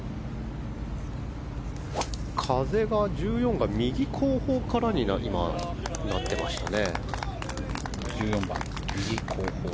風が１４番が右後方からになってましたね。